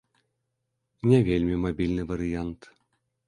Не вельмі мабільны варыянт.